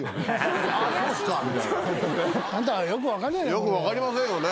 よく分かりませんよね。